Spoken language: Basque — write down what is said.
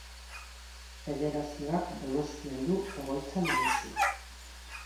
Federazioak Donostian du egoitza nagusia.